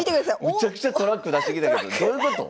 めちゃくちゃトラック出してきたけどどういうこと？